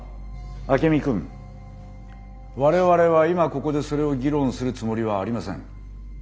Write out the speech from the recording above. アケミ君我々は今ここでそれを議論するつもりはありません。